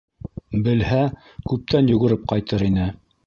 Белһә, күптән йүгереп ҡайтыр ине.